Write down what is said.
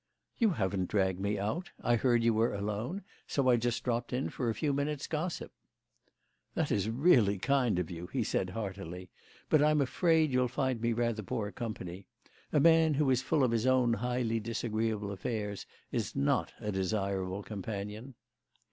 "You haven't dragged me out. I heard you were alone, so I just dropped in for a few minutes' gossip." "That is really kind of you," he said heartily. "But I'm afraid you'll find me rather poor company. A man who is full of his own highly disagreeable affairs is not a desirable companion."